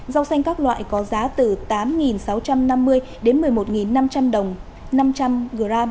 rau xanh các loại có giá từ tám sáu trăm năm mươi đến một mươi một năm trăm linh đồng năm trăm linh g